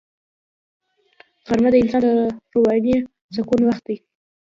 غرمه د انسان د رواني سکون وخت دی